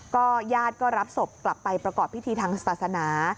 ญาติก็รับศพกลับไปประกอบพิธีทางศาสนา